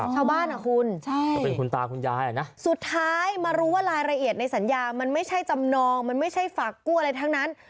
ชาวบ้านอะคุณสุดท้ายมารู้ว่ารายละเอียดในสัญญามันไม่ใช่จำนองมันไม่ใช่ฝากกู้อะไรทั้งนั้น